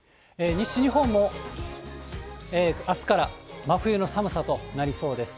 西日本も、あすから真冬の寒さとなりそうです。